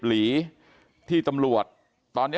ก็คุณตามมาอยู่กรงกีฬาดครับ